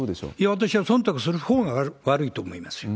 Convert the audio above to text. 私はそんたくするほうが悪いと思いますよ。